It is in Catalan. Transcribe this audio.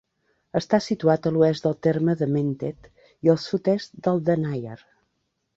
Està situat a l'oest del terme de Mentet i al sud-est del de Nyer.